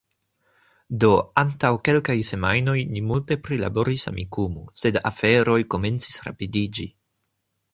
Do, antaŭ kelkaj semajnoj ni multe prilaboris Amikumu, sed aferoj komencis rapidiĝi